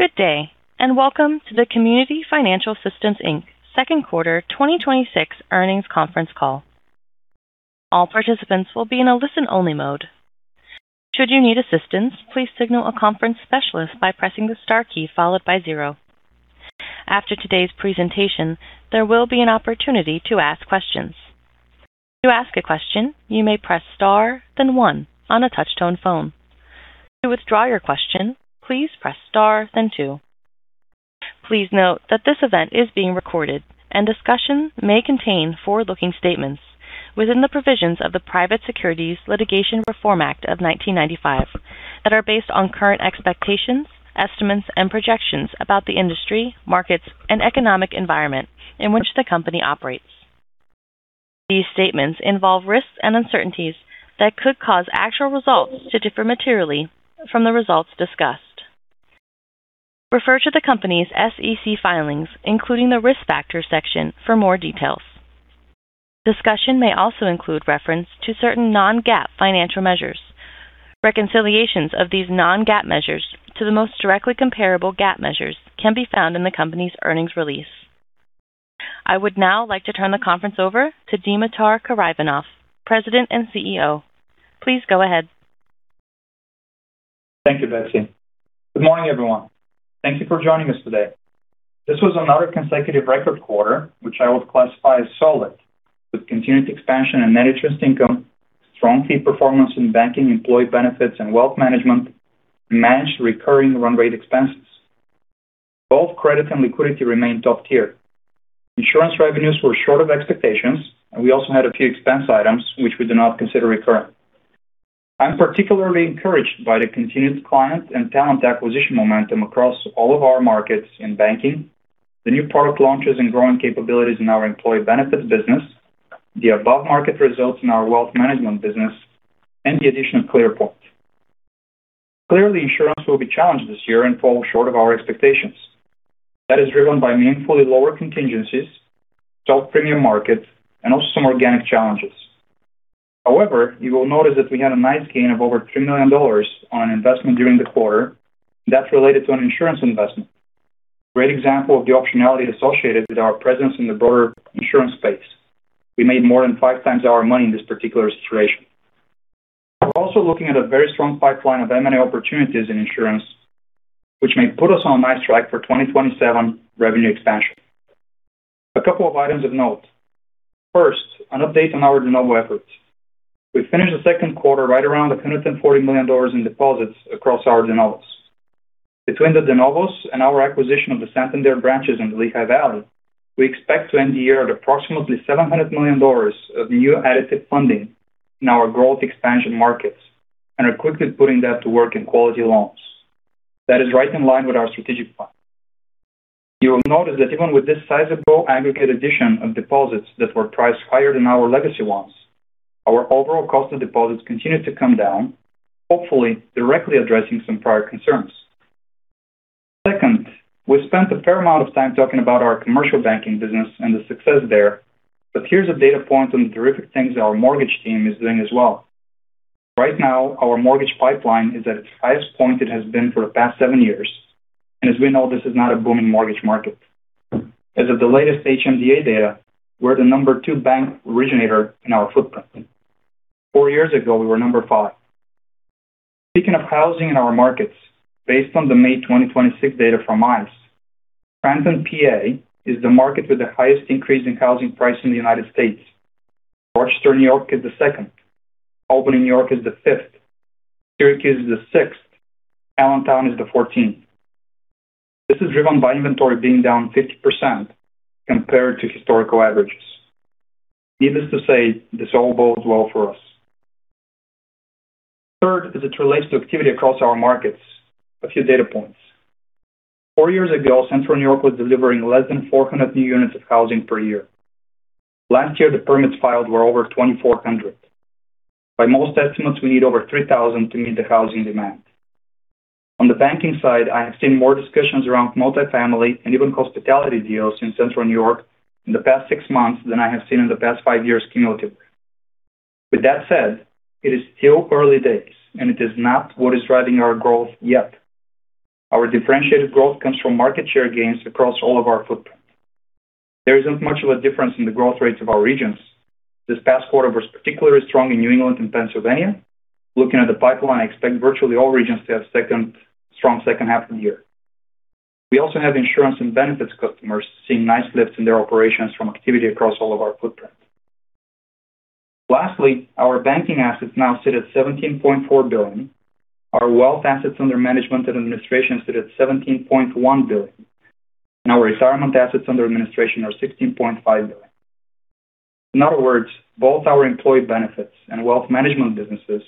Good day, and welcome to the Community Financial System, Inc second quarter 2026 earnings conference call. All participants will be in a listen-only mode. Should you need assistance, please signal a conference specialist by pressing the star key followed by zero. After today's presentation, there will be an opportunity to ask questions. To ask a question, you may press star then one on a touch-tone phone. To withdraw your question, please press star then two. Please note that this event is being recorded and discussion may contain forward-looking statements within the provisions of the Private Securities Litigation Reform Act of 1995 that are based on current expectations, estimates, and projections about the industry, markets, and economic environment in which the company operates. These statements involve risks and uncertainties that could cause actual results to differ materially from the results discussed. Refer to the company's SEC filings, including the Risk Factors section for more details. Discussion may also include reference to certain non-GAAP financial measures. Reconciliations of these non-GAAP measures to the most directly comparable GAAP measures can be found in the company's earnings release. I would now like to turn the conference over to Dimitar Karaivanov, President and CEO. Please go ahead. Thank you, Betsy. Good morning, everyone. Thank you for joining us today. This was another consecutive record quarter, which I would classify as solid, with continued expansion in net interest income, strong fee performance in banking, employee benefits, and wealth management, and managed recurring run rate expenses. Both credit and liquidity remained top tier. Insurance revenues were short of expectations, and we also had a few expense items which we do not consider recurring. I'm particularly encouraged by the continued client and talent acquisition momentum across all of our markets in banking, the new product launches and growing capabilities in our employee benefits business, the above-market results in our wealth management business, and the addition of ClearPoint. Clearly, insurance will be challenged this year and fall short of our expectations. That is driven by meaningfully lower contingencies, soft premium markets, and also some organic challenges. You will notice that we had a nice gain of over $3 million on an investment during the quarter that's related to an insurance investment. Great example of the optionality associated with our presence in the broader insurance space. We made more than five times our money in this particular situation. We're also looking at a very strong pipeline of M&A opportunities in insurance, which may put us on a nice track for 2027 revenue expansion. A couple of items of note. First, an update on our de novo efforts. We finished the second quarter right around $140 million in deposits across our de novos. Between the de novos and our acquisition of the Santander branches in the Lehigh Valley, we expect to end the year at approximately $700 million of new additive funding in our growth expansion markets and are quickly putting that to work in quality loans. That is right in line with our strategic plan. You will notice that even with this sizable aggregate addition of deposits that were priced higher than our legacy ones, our overall cost of deposits continued to come down, hopefully directly addressing some prior concerns. Second, we've spent a fair amount of time talking about our commercial banking business and the success there, but here's a data point on the terrific things that our mortgage team is doing as well. Right now, our mortgage pipeline is at its highest point it has been for the past seven years, and as we know, this is not a booming mortgage market. As of the latest HMDA data, we're the number two bank originator in our footprint. Four years ago, we were number five. Speaking of housing in our markets, based on the May 2026 data from ICE, Scranton, PA is the market with the highest increase in housing price in the U.S. Rochester, New York is the second. Albany, New York is the fifth. Syracuse is the sixth. Allentown is the 14th. This is driven by inventory being down 50% compared to historical averages. Needless to say, this all bodes well for us. Third, as it relates to activity across our markets, a few data points. Four years ago, Central New York was delivering less than 400 new units of housing per year. Last year, the permits filed were over 2,400. By most estimates, we need over 3,000 to meet the housing demand. On the banking side, I have seen more discussions around multifamily and even hospitality deals in Central New York in the past six months than I have seen in the past five years cumulative. With that said, it is still early days, and it is not what is driving our growth yet. Our differentiated growth comes from market share gains across all of our footprint. There isn't much of a difference in the growth rates of our regions. This past quarter was particularly strong in New England and Pennsylvania. Looking at the pipeline, I expect virtually all regions to have a strong second half of the year. We also have insurance and benefits customers seeing nice lifts in their operations from activity across all of our footprint. Lastly, our banking assets now sit at $17.4 billion. Our wealth assets under management and administration sit at $17.1 billion, and our retirement assets under administration are $16.5 billion. In other words, both our employee benefits and wealth management businesses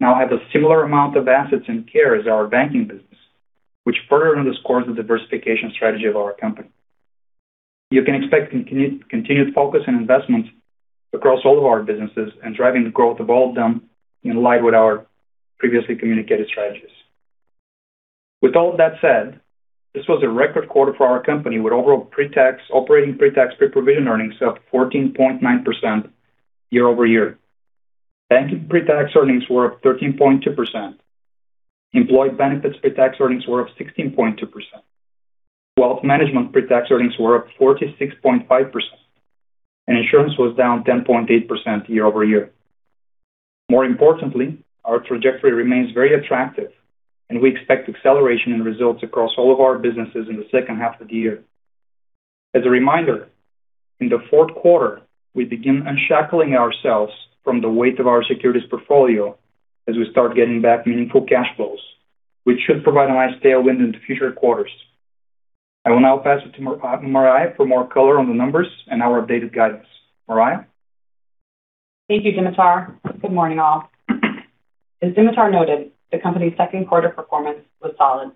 now have a similar amount of assets and care as our banking business, which further underscores the diversification strategy of our company. You can expect continued focus and investment across all of our businesses and driving the growth of all of them in line with our previously communicated strategies. With all of that said, this was a record quarter for our company with overall operating pre-tax, pre-provision earnings of 14.9% year-over-year. Banking pre-tax earnings were up 13.2%. Employee benefits pre-tax earnings were up 16.2%. Wealth management pre-tax earnings were up 46.5%, and insurance was down 10.8% year-over-year. More importantly, our trajectory remains very attractive, and we expect acceleration in results across all of our businesses in the second half of the year. As a reminder, in the fourth quarter, we begin unshackling ourselves from the weight of our securities portfolio as we start getting back meaningful cash flows, which should provide a nice tailwind into future quarters. I will now pass it to Marya for more color on the numbers and our updated guidance. Marya? Thank you, Dimitar. Good morning, all. As Dimitar noted, the company's second quarter performance was solid.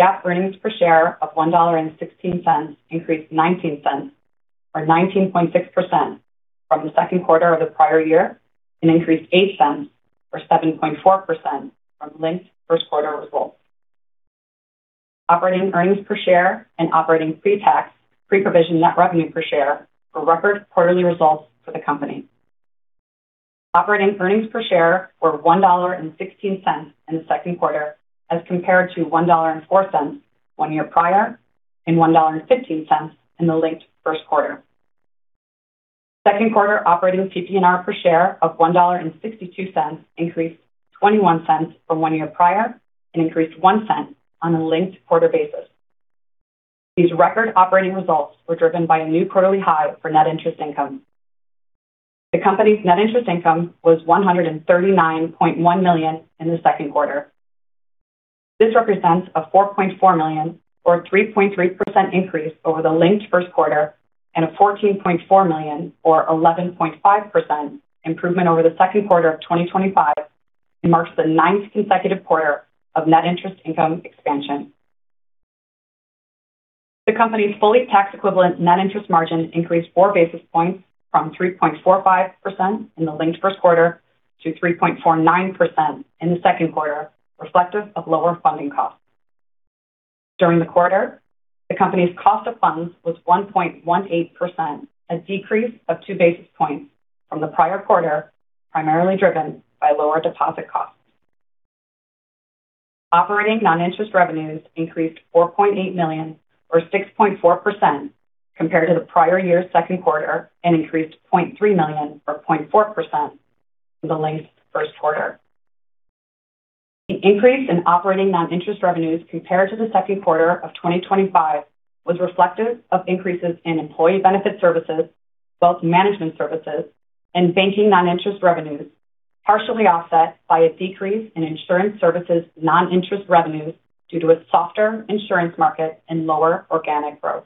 GAAP earnings per share of $1.16 increased $0.19, or 19.6%, from the second quarter of the prior year, and increased $0.08, or 7.4%, from linked first quarter results. Operating earnings per share and operating pre-tax pre-provision net revenue per share were record quarterly results for the company. Operating earnings per share were $1.16 in the second quarter as compared to $1.04 one year prior and $1.15 in the linked first quarter. Second quarter operating PPNR per share of $1.62 increased $0.21 from one year prior and increased $0.01 on a linked quarter basis. These record operating results were driven by a new quarterly high for net interest income. The company's net interest income was $139.1 million in the second quarter. This represents a $4.4 million, or 3.3%, increase over the linked first quarter and a $14.4 million, or 11.5%, improvement over the second quarter of 2025 and marks the ninth consecutive quarter of net interest income expansion. The company's fully tax-equivalent net interest margin increased four basis points from 3.45% in the linked first quarter to 3.49% in the second quarter, reflective of lower funding costs. During the quarter, the company's cost of funds was 1.18%, a decrease of two basis points from the prior quarter, primarily driven by lower deposit costs. Operating non-interest revenues increased $4.8 million or 6.4% compared to the prior year's second quarter and increased $0.3 million, or 0.4%, from the linked first quarter. The increase in operating non-interest revenues compared to the second quarter of 2025 was reflective of increases in employee benefit services, wealth management services, and banking non-interest revenues, partially offset by a decrease in insurance services non-interest revenues due to a softer insurance market and lower organic growth.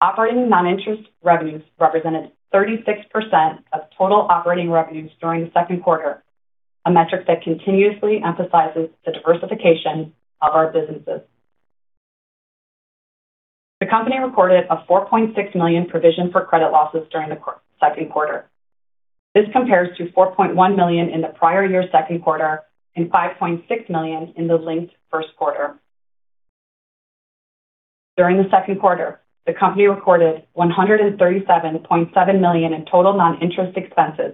Operating non-interest revenues represented 36% of total operating revenues during the second quarter, a metric that continuously emphasizes the diversification of our businesses. The company recorded a $4.6 million provision for credit losses during the second quarter. This compares to $4.1 million in the prior year's second quarter and $5.6 million in the linked first quarter. During the second quarter, the company recorded $137.7 million in total non-interest expenses,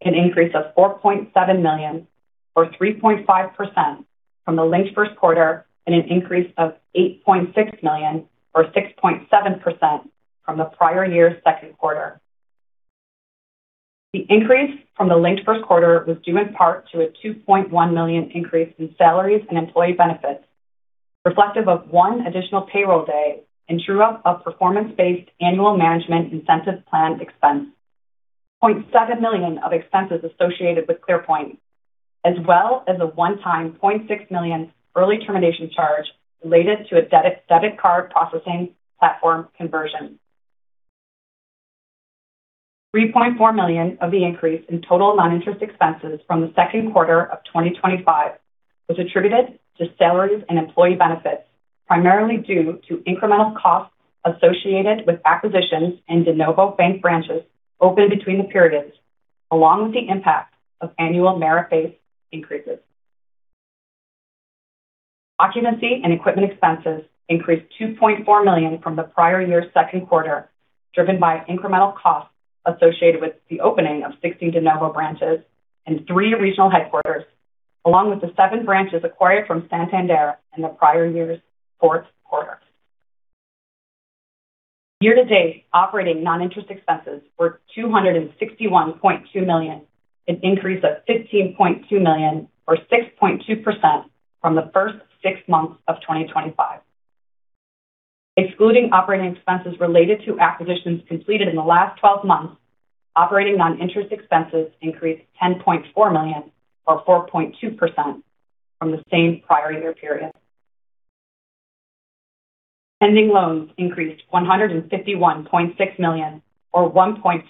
an increase of $4.7 million, or 3.5%, from the linked first quarter, and an increase of $8.6 million, or 6.7%, from the prior year's second quarter. The increase from the linked first quarter was due in part to a $2.1 million increase in salaries and employee benefits, reflective of one additional payroll day and true-up of performance-based annual management incentive plan expense, $0.7 million of expenses associated with ClearPoint, as well as a one-time $0.6 million early termination charge related to a debit card processing platform conversion. $3.4 million of the increase in total non-interest expenses from the second quarter of 2025 was attributed to salaries and employee benefits, primarily due to incremental costs associated with acquisitions in de novo bank branches opened between the periods, along with the impact of annual merit-based increases. Occupancy and equipment expenses increased $2.4 million from the prior year's second quarter, driven by incremental costs associated with the opening of 16 de novo branches and three regional headquarters, along with the seven branches acquired from Santander in the prior year's fourth quarter. Year-to-date operating non-interest expenses were $261.2 million, an increase of $15.2 million or 6.2% from the first six months of 2025. Excluding operating expenses related to acquisitions completed in the last 12 months, operating non-interest expenses increased $10.4 million or 4.2% from the same prior year period. Ending loans increased $151.6 million or 1.4%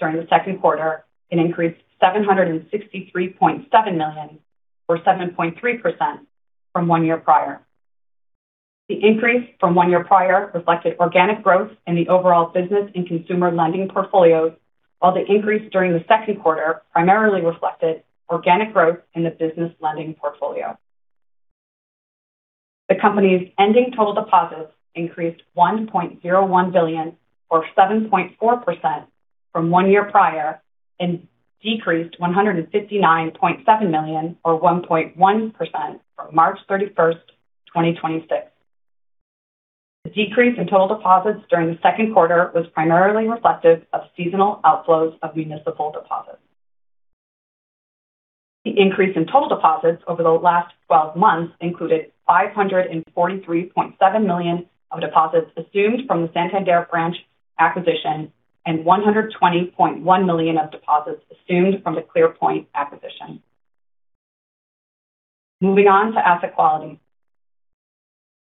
during the second quarter and increased $763.7 million or 7.3% from one year prior. The increase from one year prior reflected organic growth in the overall business and consumer lending portfolios, while the increase during the second quarter primarily reflected organic growth in the business lending portfolio. The company's ending total deposits increased $1.01 billion, or 7.4%, from one year prior and decreased $159.7 million, or 1.1%, from March 31st, 2026. The decrease in total deposits during the second quarter was primarily reflective of seasonal outflows of municipal deposits. The increase in total deposits over the last 12 months included $543.7 million of deposits assumed from the Santander branch acquisition and $120.1 million of deposits assumed from the ClearPoint acquisition. Moving on to asset quality.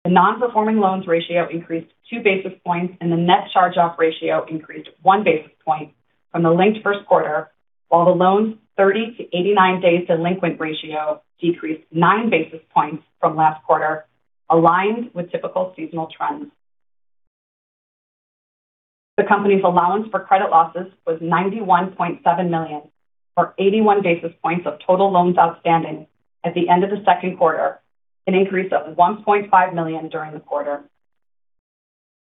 The non-performing loans ratio increased two basis points, and the net charge-off ratio increased one basis point from the linked first quarter, while the loans 30 to 89 days delinquent ratio decreased nine basis points from last quarter, aligned with typical seasonal trends. The company's allowance for credit losses was $91.7 million, or 81 basis points of total loans outstanding at the end of the second quarter, an increase of $1.5 million during the quarter.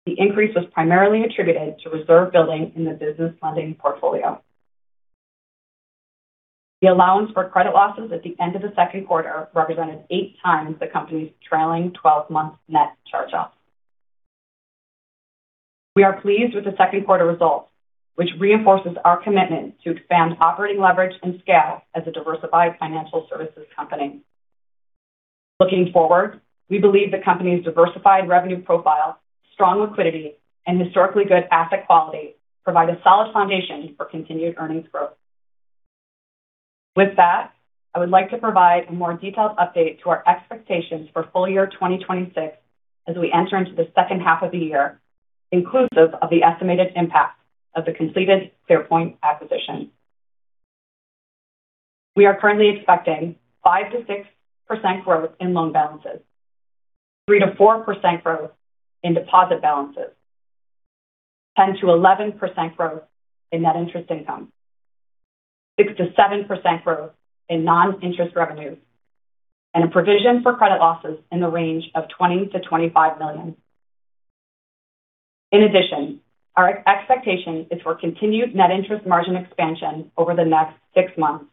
The increase was primarily attributed to reserve building in the business lending portfolio. The allowance for credit losses at the end of the second quarter represented eight times the company's trailing 12-month net charge-off. We are pleased with the second quarter results, which reinforces our commitment to expand operating leverage and scale as a diversified financial services company. Looking forward, we believe the company's diversified revenue profile, strong liquidity, and historically good asset quality provide a solid foundation for continued earnings growth. With that, I would like to provide a more detailed update to our expectations for full year 2026 as we enter into the second half of the year, inclusive of the estimated impact of the completed ClearPoint acquisition. We are currently expecting 5%-6% growth in loan balances, 3%-4% growth in deposit balances, 10%-11% growth in net interest income, 6%-7% growth in non-interest revenues, and a provision for credit losses in the range of $20 million-$25 million. In addition, our expectation is for continued net interest margin expansion over the next six months,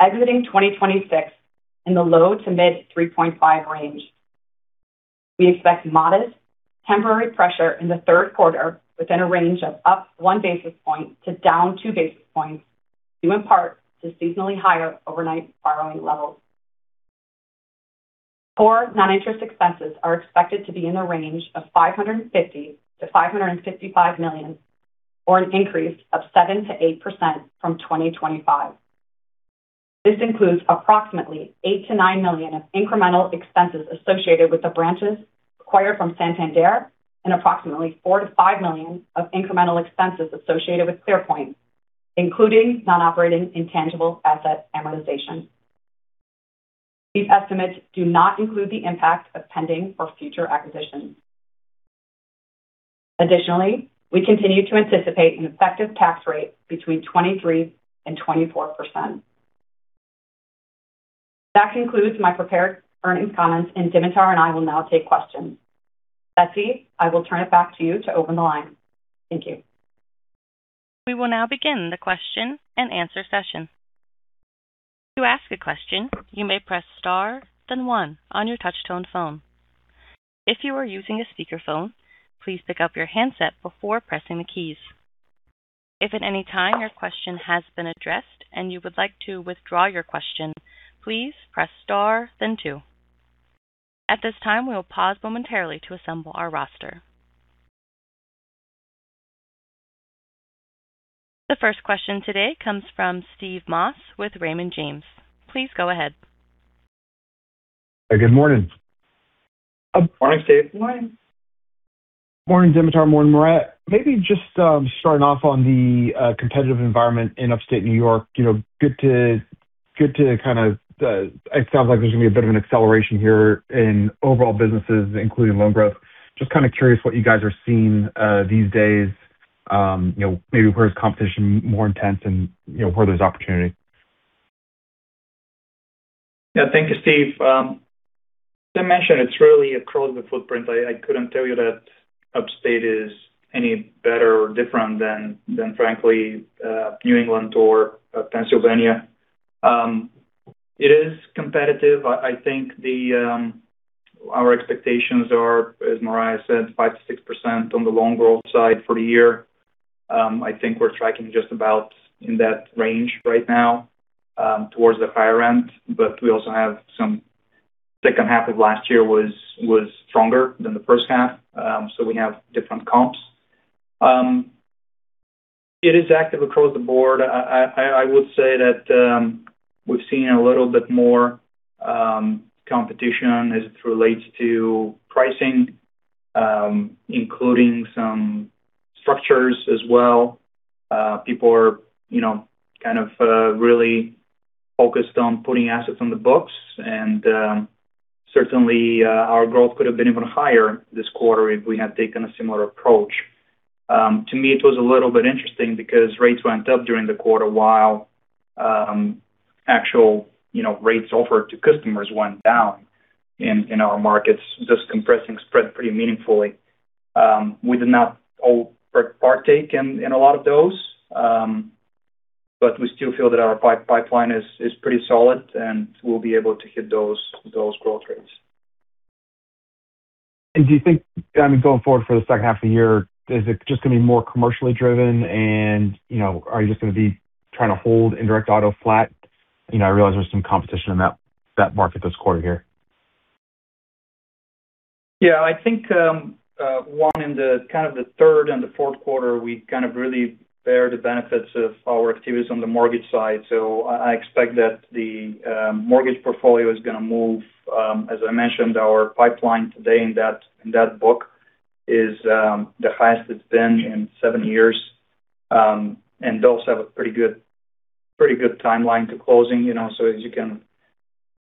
exiting 2026 in the low to mid 3.5 range. We expect modest temporary pressure in the third quarter within a range of up one basis point to down two basis points, due in part to seasonally higher overnight borrowing levels. Core non-interest expenses are expected to be in the range of $550 million-$555 million, or an increase of 7%-8% from 2025. This includes approximately $8 million-$9 million of incremental expenses associated with the branches acquired from Santander and approximately $4 million-$5 million of incremental expenses associated with ClearPoint, including non-operating intangible asset amortization. These estimates do not include the impact of pending or future acquisitions. Additionally, we continue to anticipate an effective tax rate between 23% and 24%. That concludes my prepared earnings comments. Dimitar and I will now take questions. Betsy, I will turn it back to you to open the line. Thank you. We will now begin the question and answer session. To ask a question, you may press star, then one on your touch tone phone. If you are using a speaker phone, please pick up your handset before pressing the keys. If at any time your question has been addressed and you would like to withdraw your question, please press star, then two. At this time, we will pause momentarily to assemble our roster. The first question today comes from Steve Moss with Raymond James. Please go ahead. Good morning. Morning, Steve. Morning. Morning, Dimitar. Morning, Marya. Starting off on the competitive environment in Upstate New York. It sounds like there's going to be a bit of an acceleration here in overall businesses, including loan growth. Just kind of curious what you guys are seeing these days. Where is competition more intense and where there's opportunity. Thank you, Steve. As I mentioned, it's really across the footprint. I couldn't tell you that Upstate is any better or different than, frankly, New England or Pennsylvania. It is competitive. I think our expectations are, as Marya said, 5%-6% on the loan growth side for the year. I think we're tracking just about in that range right now, towards the higher end. We also have some second half of last year was stronger than the first half. We have different comps. It is active across the board. I would say that we've seen a little bit more competition as it relates to pricing, including some structures as well. People are kind of really focused on putting assets on the books, certainly our growth could have been even higher this quarter if we had taken a similar approach. To me, it was a little bit interesting because rates went up during the quarter while actual rates offered to customers went down in our markets, just compressing spread pretty meaningfully. We did not all partake in a lot of those. We still feel that our pipeline is pretty solid, and we'll be able to hit those growth rates. Do you think, going forward for the second half of the year, is it just going to be more commercially driven and are you just going to be trying to hold indirect auto flat? I realize there's some competition in that market this quarter here. Yeah. I think, one, in the third and the fourth quarter, we really bear the benefits of our activities on the mortgage side. I expect that the mortgage portfolio is going to move. As I mentioned, our pipeline today in that book is the highest it's been in seven years. Those have a pretty good timeline to closing. As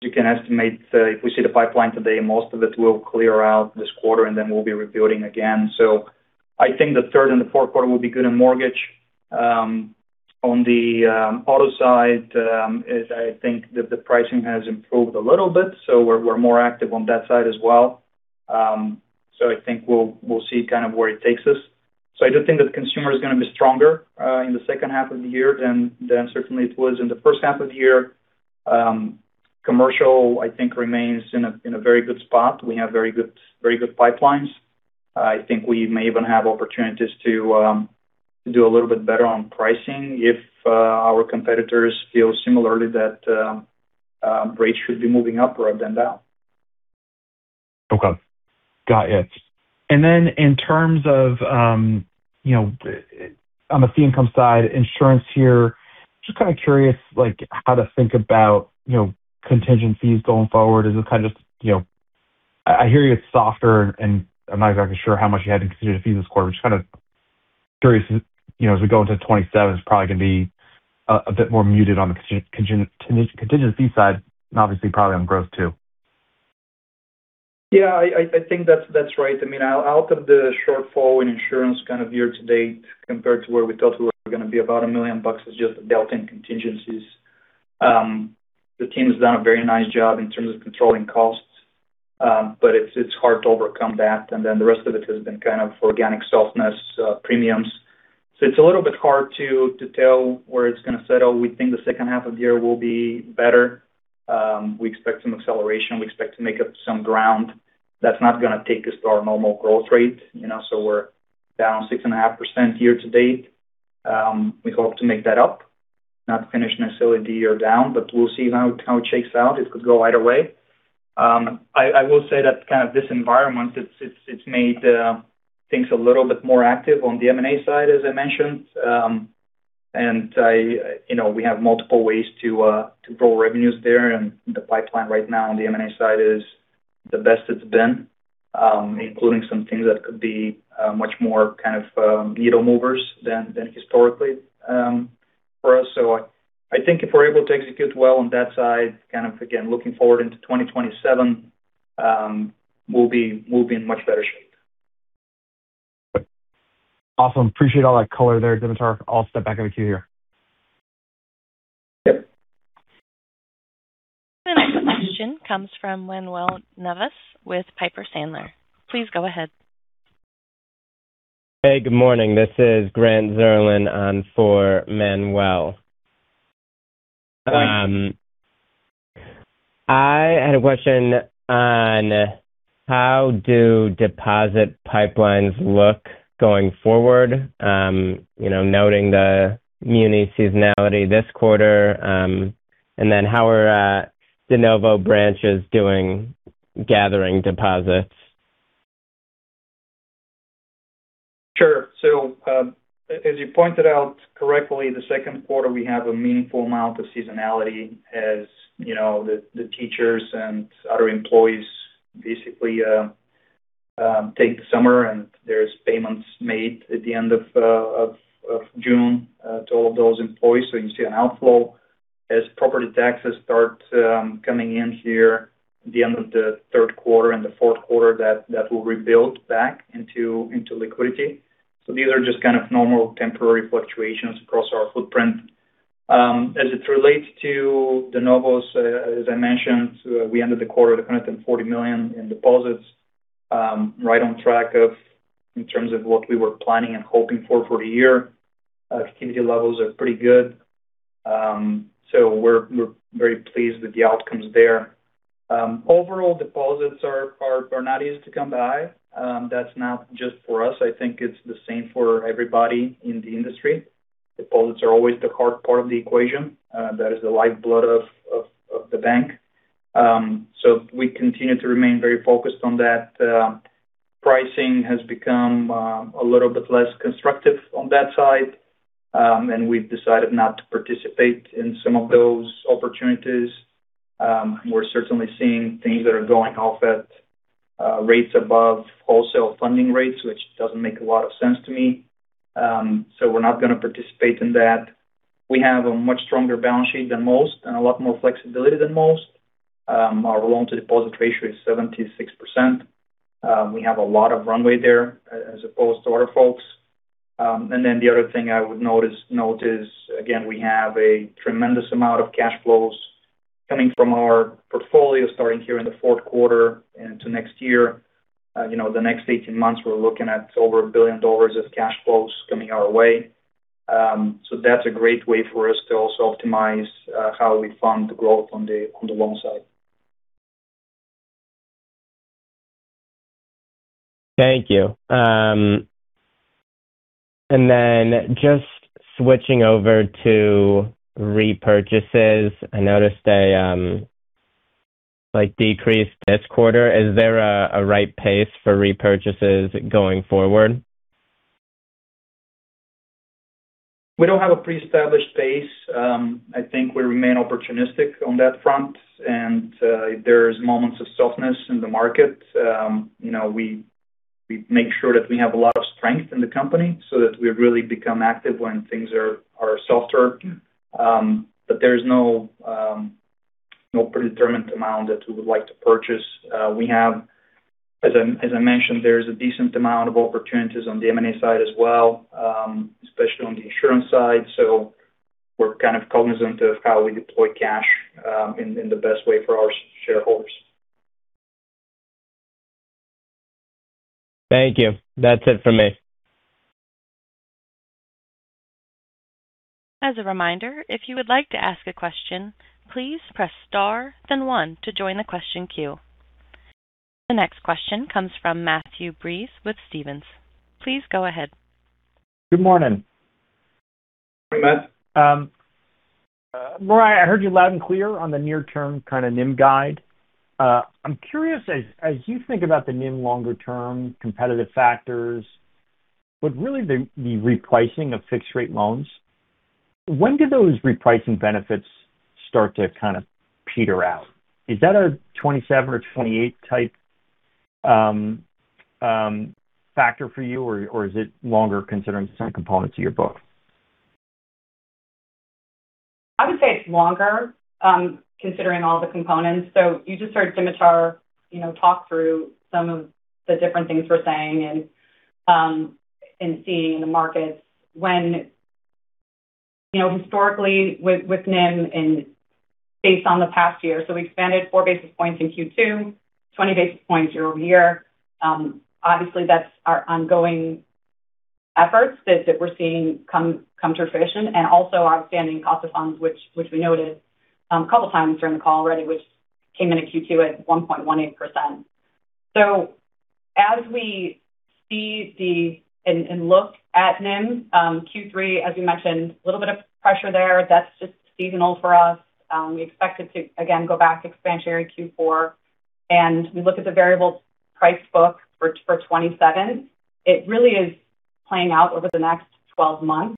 you can estimate, if we see the pipeline today, most of it will clear out this quarter, and then we'll be rebuilding again. I think the third and the fourth quarter will be good in mortgage. On the auto side, is I think that the pricing has improved a little bit, so we're more active on that side as well. I think we'll see where it takes us. I do think that the consumer is going to be stronger, in the second half of the year than certainly it was in the first half of the year. Commercial, I think remains in a very good spot. We have very good pipelines. I think we may even have opportunities to do a little bit better on pricing if our competitors feel similarly that rates should be moving up rather than down. Okay. Got it. Then in terms of on the fee income side, insurance here, just kind of curious, how to think about contingency fees going forward. I hear you're softer, and I'm not exactly sure how much you had in contingency fees this quarter. Just kind of curious, as we go into 2027, it's probably going to be a bit more muted on the contingency side and obviously probably on growth too. Yeah. I think that's right. I mean, out of the shortfall in insurance year to date compared to where we thought we were going to be, about $1 million is just dealt in contingencies. The team has done a very nice job in terms of controlling costs. It's hard to overcome that. The rest of it has been organic softness, premiums. It's a little bit hard to tell where it's going to settle. We think the second half of the year will be better. We expect some acceleration. We expect to make up some ground that's not going to take us to our normal growth rate. We're down 6.5% year to date. We hope to make that up, not finish necessarily the year down, but we'll see how it shakes out. It could go either way. I will say that this environment it's made things a little bit more active on the M&A side, as I mentioned. We have multiple ways to grow revenues there. The pipeline right now on the M&A side is the best it's been, including some things that could be much more needle movers than historically for us. I think if we're able to execute well on that side, again, looking forward into 2027, we'll be in much better shape. Awesome. Appreciate all that color there, Dimitar. I'll step back in the queue here. Yep. The next question comes from Manuel Navas with Piper Sandler. Please go ahead. Hey, good morning. This is Grant Zirlin on for Manuel. Hi. I had a question on how do deposit pipelines look going forward, noting the muni seasonality this quarter. How are de novo branches doing gathering deposits? Sure. As you pointed out correctly, the second quarter, we have a meaningful amount of seasonality as the teachers and other employees basically take the summer and there's payments made at the end of June to all of those employees. You see an outflow as property taxes start coming in here at the end of the third quarter and the fourth quarter, that will rebuild back into liquidity. These are just kind of normal temporary fluctuations across our footprint. As it relates to de novos, as I mentioned, we ended the quarter at $140 million in deposits, right on track of in terms of what we were planning and hoping for for the year. Activity levels are pretty good. We're very pleased with the outcomes there. Overall deposits are not easy to come by. That's not just for us. I think it's the same for everybody in the industry. Deposits are always the hard part of the equation. That is the lifeblood of the bank. We continue to remain very focused on that. Pricing has become a little bit less constructive on that side. We've decided not to participate in some of those opportunities. We're certainly seeing things that are going off at rates above wholesale funding rates, which doesn't make a lot of sense to me. We're not going to participate in that. We have a much stronger balance sheet than most and a lot more flexibility than most. Our loan to deposit ratio is 76%. We have a lot of runway there as opposed to other folks. The other thing I would note is, again, we have a tremendous amount of cash flows coming from our portfolio starting here in the fourth quarter into next year. The next 18 months, we're looking at over $1 billion of cash flows coming our way. That's a great way for us to also optimize how we fund the growth on the loan side. Thank you. Just switching over to repurchases, I noticed a decrease this quarter. Is there a right pace for repurchases going forward? We don't have a pre-established pace. I think we remain opportunistic on that front. If there's moments of softness in the market, we make sure that we have a lot of strength in the company that we really become active when things are softer. There's no predetermined amount that we would like to purchase. As I mentioned, there's a decent amount of opportunities on the M&A side as well, especially on the insurance side. We're kind of cognizant of how we deploy cash in the best way for our shareholders. Thank you. That's it from me. As a reminder, if you would like to ask a question, please press star then one to join the question queue. The next question comes from Matthew Breese with Stephens. Please go ahead. Good morning. Hey, Matt. Marya, I heard you loud and clear on the near term kind of NIM guide. I'm curious, as you think about the NIM longer term competitive factors, but really the repricing of fixed-rate loans, when do those repricing benefits start to kind of peter out? Is that a 2027 or 2028 type factor for you, or is it longer considering the component to your book? I would say it's longer considering all the components. You just heard Dimitar talk through some of the different things we're saying and seeing in the markets when historically with NIM and based on the past year. We expanded 4 basis points in Q2, 20 basis points year-over-year. Obviously that's our ongoing efforts that we're seeing come to fruition and also outstanding cost of funds, which we noted a couple of times during the call already, which came into Q2 at 1.18%. As we see and look at NIM Q3, as we mentioned, a little bit of pressure there. That's just seasonal for us. We expect it to again go back expansionary Q4. We look at the variable price book for 2027. It really is playing out over the next 12 months.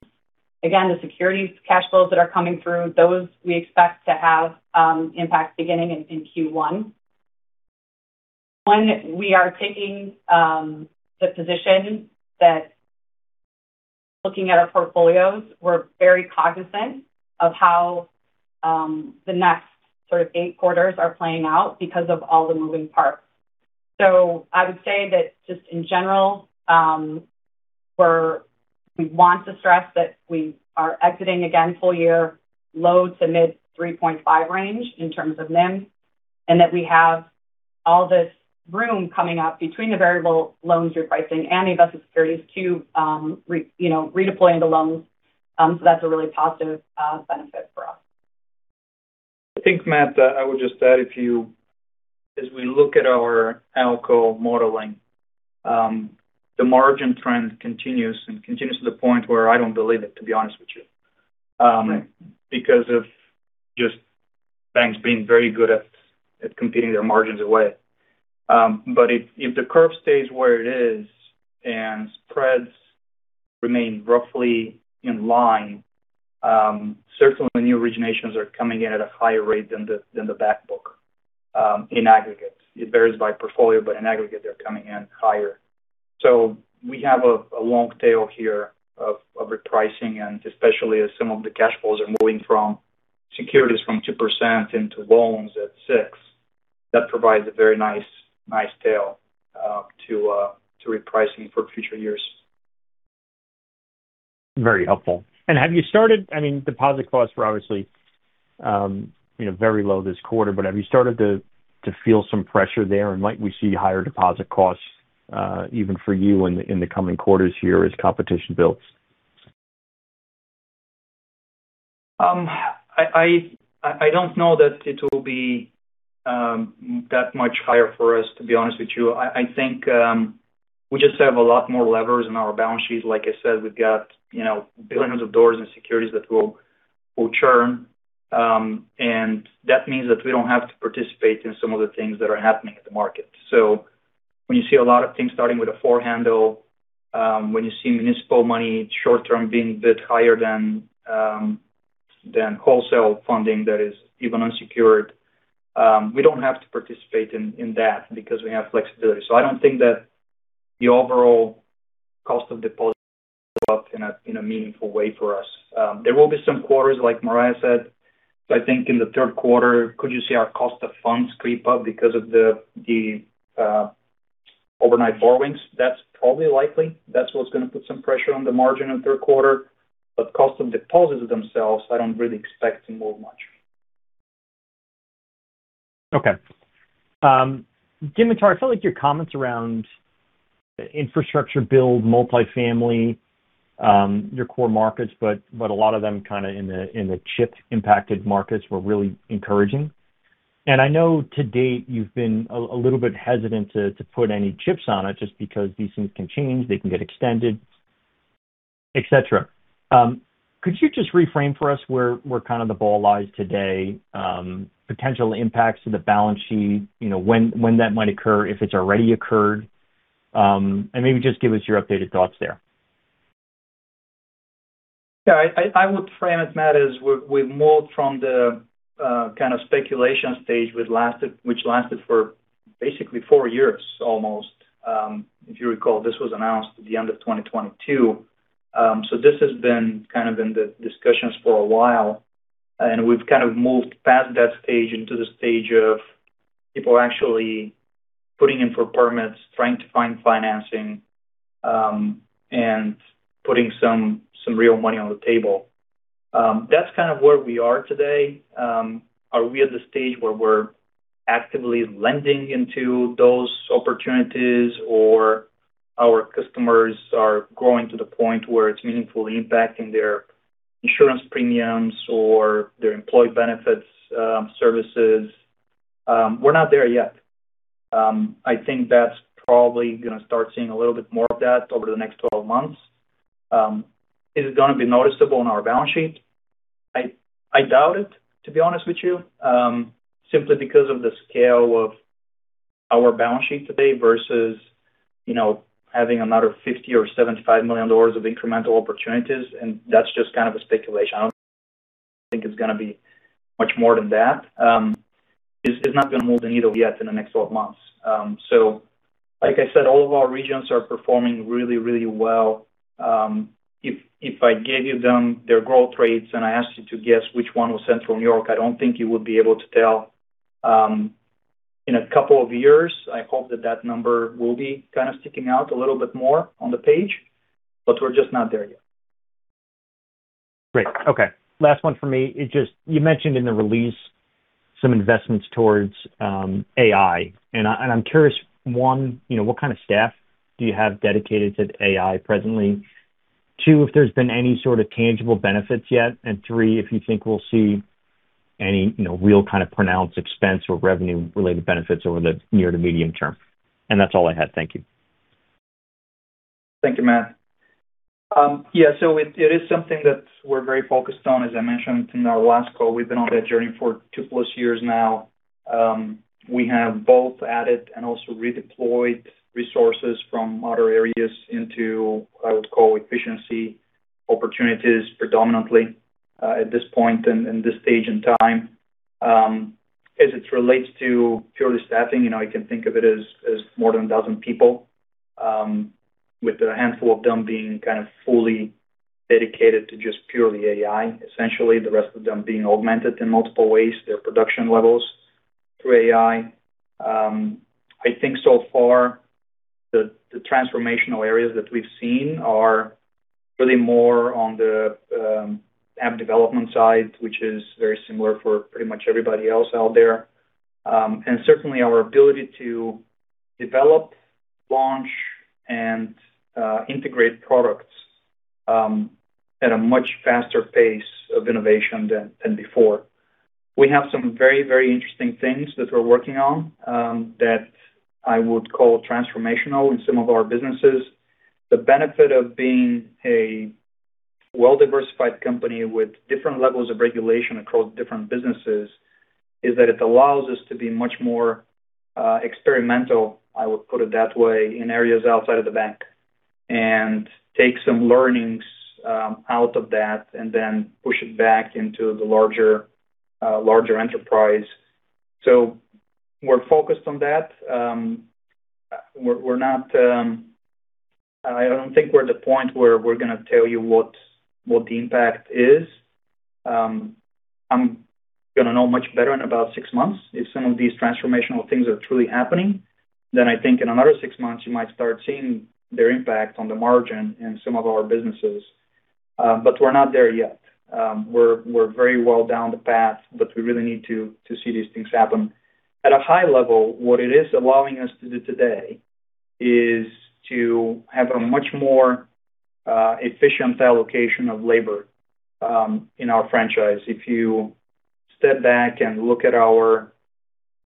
Again, the securities cash flows that are coming through, those we expect to have impact beginning in Q1. One, we are taking the position that looking at our portfolios, we're very cognizant of how the next sort of eight quarters are playing out because of all the moving parts. I would say that just in general, we want to stress that we are exiting again full-year low to mid 3.5% range in terms of NIM, and that we have all this room coming up between the variable loans repricing and the invested securities to redeploy into loans. That's a really positive benefit for us. I think, Matt, I would just add, as we look at our ALCO modeling, the margin trend continues and continues to the point where I don't believe it, to be honest with you because of just banks being very good at competing their margins away. If the curve stays where it is and spreads remain roughly in line, certainly the new originations are coming in at a higher rate than the back book in aggregate. It varies by portfolio, but in aggregate they're coming in higher. We have a long tail here of repricing and especially as some of the cash flows are moving from securities from 2% into loans at 6%. That provides a very nice tail to repricing for future years. Very helpful. Have you started, I mean deposit costs were obviously very low this quarter, have you started to feel some pressure there and might we see higher deposit costs even for you in the coming quarters here as competition builds? I don't know that it will be that much higher for us, to be honest with you. I think we just have a lot more levers in our balance sheets. Like I said, we've got billions of dollars in securities that will churn. That means that we don't have to participate in some of the things that are happening at the market. When you see a lot of things starting with a four handle, when you see municipal money short term being a bit higher than wholesale funding that is even unsecured, we don't have to participate in that because we have flexibility. I don't think the overall cost of deposit go up in a meaningful way for us. There will be some quarters, like Marya said. I think in the third quarter could you see our cost of funds creep up because of the overnight borrowings? That's probably likely. That's what's going to put some pressure on the margin in third quarter. Cost of deposits themselves, I don't really expect to move much. Okay. Dimitar, I felt like your comments around infrastructure build, multifamily, your core markets, but a lot of them kind of in the chip-impacted markets were really encouraging. I know to date you've been a little bit hesitant to put any chips on it just because these things can change, they can get extended, et cetera. Could you just reframe for us where kind of the ball lies today, potential impacts to the balance sheet, when that might occur, if it's already occurred, and maybe just give us your updated thoughts there. Yeah. I would frame it, Matt, as we've moved from the kind of speculation stage which lasted for basically four years almost. If you recall, this was announced at the end of 2022. This has been kind of in the discussions for a while, and we've kind of moved past that stage into the stage of people actually putting in for permits, trying to find financing, and putting some real money on the table. That's kind of where we are today. Are we at the stage where we're actively lending into those opportunities, or our customers are growing to the point where it's meaningfully impacting their insurance premiums or their employee benefits services? We're not there yet. I think that's probably going to start seeing a little bit more of that over the next 12 months. Is it going to be noticeable on our balance sheet? I doubt it, to be honest with you, simply because of the scale of our balance sheet today versus having another $50 million or $75 million of incremental opportunities, and that's just kind of a speculation. I don't think it's going to be much more than that. It's not going to move the needle yet in the next 12 months. Like I said, all of our regions are performing really, really well. If I gave you them, their growth rates, and I asked you to guess which one was Central New York, I don't think you would be able to tell. In a couple of years, I hope that that number will be kind of sticking out a little bit more on the page, but we're just not there yet. Great. Okay. Last one from me. You mentioned in the release some investments towards AI, and I'm curious, one, what kind of staff do you have dedicated to AI presently? Two, if there's been any sort of tangible benefits yet, and three, if you think we'll see any real kind of pronounced expense or revenue-related benefits over the near to medium term. That's all I had. Thank you. Thank you, Matt. Yeah. It is something that we're very focused on. As I mentioned in our last call, we've been on that journey for two-plus years now. We have both added and also redeployed resources from other areas into, I would call, efficiency opportunities predominantly, at this point and this stage in time. As it relates to purely staffing, I can think of it as more than dozen people, with a handful of them being kind of fully dedicated to just purely AI. Essentially, the rest of them being augmented in multiple ways, their production levels through AI. I think so far the transformational areas that we've seen are really more on the app development side, which is very similar for pretty much everybody else out there. Certainly our ability to develop, launch, and integrate products at a much faster pace of innovation than before. We have some very, very interesting things that we're working on that I would call transformational in some of our businesses. The benefit of being a well-diversified company with different levels of regulation across different businesses is that it allows us to be much more experimental, I would put it that way, in areas outside of the bank, and take some learnings out of that and then push it back into the larger enterprise. We're focused on that. I don't think we're at the point where we're going to tell you what the impact is. I'm going to know much better in about six months if some of these transformational things are truly happening. I think in another six months you might start seeing their impact on the margin in some of our businesses. We're not there yet. We're very well down the path. We really need to see these things happen. At a high level, what it is allowing us to do today is to have a much more efficient allocation of labor in our franchise. If you step back and look at our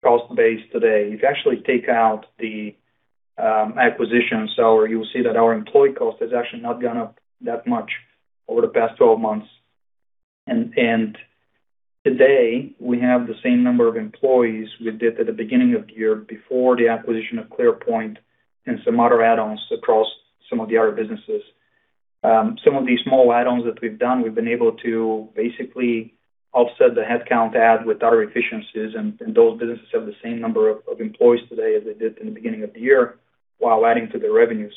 cost base today, if you actually take out the acquisitions, you'll see that our employee cost has actually not gone up that much over the past 12 months. Today, we have the same number of employees we did at the beginning of the year before the acquisition of ClearPoint and some other add-ons across some of the other businesses. Some of these small add-ons that we've done, we've been able to basically offset the headcount add with other efficiencies. Those businesses have the same number of employees today as they did in the beginning of the year while adding to the revenues.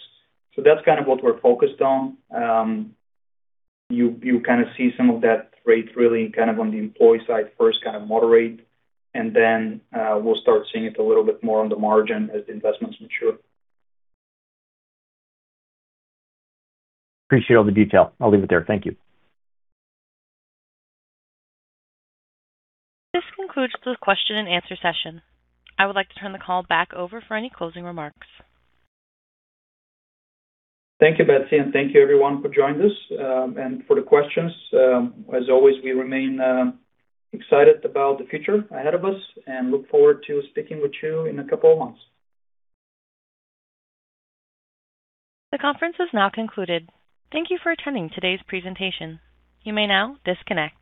That's kind of what we're focused on. You kind of see some of that rate really kind of on the employee side first kind of moderate. Then we'll start seeing it a little bit more on the margin as the investments mature. Appreciate all the detail. I'll leave it there. Thank you. This concludes the question and answer session. I would like to turn the call back over for any closing remarks. Thank you, Betsy, thank you everyone for joining us, and for the questions. As always, we remain excited about the future ahead of us and look forward to speaking with you in a couple of months. The conference is now concluded. Thank you for attending today's presentation. You may now disconnect.